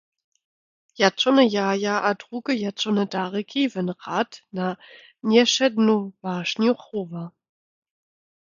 Jatšowne jaja a druge jatšowne dariki wón rad na njewšednu wašnju chowa.